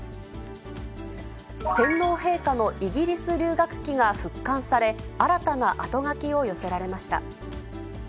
天皇陛下のイギリス留学記が復刊され、新たなあとがきを寄せられました。